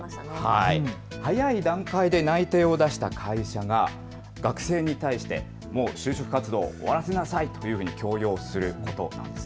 早い段階で内定を出した会社が学生に対して、もう就職活動を終わらせなさいといういうふうに強要することなんです。